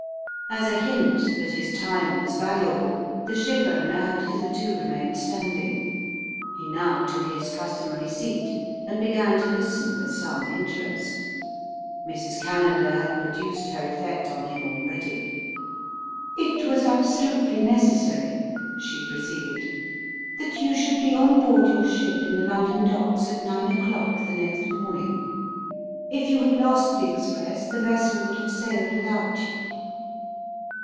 As a hint that his time was valuable the ship owner had hitherto remained standing. He now took his customary seat, and began to listen with some interest. Mrs. Callender had produced her effect on him already. "It was absolutely necessary," she proceeded, "that you should be on board your ship in the London docks at nine o'clock the next morning. If you had lost the express the vessel would have sailed without you."